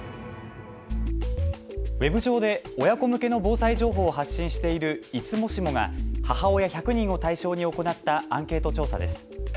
ウェブ上で親子向けの防災情報を発信しているいつもしもが母親１００人を対象に行ったアンケート調査です。